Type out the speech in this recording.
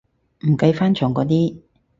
唔計翻牆嗰啲